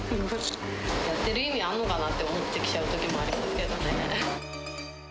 やってる意味あるのかなって思ってきちゃうときもありますけどね。